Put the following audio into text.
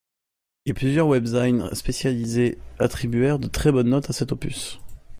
Et plusieurs webzines spécialisés attribuèrent de très bonnes notes à cet opus.